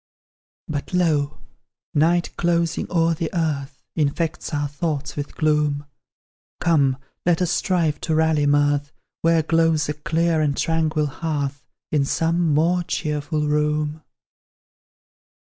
But, lo! night, closing o'er the earth, Infects our thoughts with gloom; Come, let us strive to rally mirth Where glows a clear and tranquil hearth In some more cheerful room.